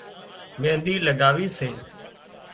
مينۮِي لڳاوي سي